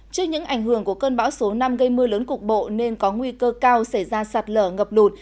trước những ảnh hưởng của cơn bão số năm gây mưa lớn cục bộ nên có nguy cơ cao xảy ra sạt lở ngập lụt